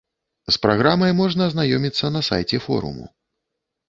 З праграмай можна азнаёміцца на сайце форуму.